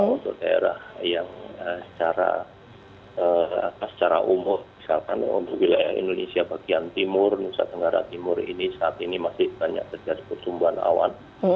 untuk daerah yang secara umum misalkan untuk wilayah indonesia bagian timur nusa tenggara timur ini saat ini masih banyak terjadi pertumbuhan awan